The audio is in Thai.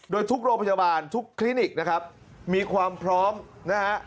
โดยทุกโรงพยาบาลทุกคลินิกนะครับมีความพร้อมนะฮะ